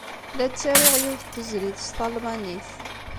La ttaruɣ yiwet n tezlit s talmanit.